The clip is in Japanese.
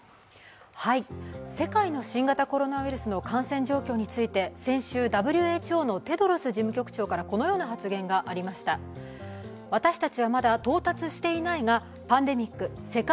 世界の新型コロナウイルスの感染状況について先週、ＷＨＯのテドロス事務局長からこのような発言がありました。